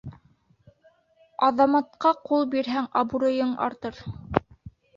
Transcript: Аҙаматҡа ҡул бирһәң, абруйың артыр.